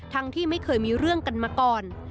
ที่ไม่เคยมีเรื่องกันมาก่อน